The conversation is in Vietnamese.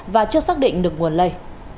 và chưa xác định được nguồn lây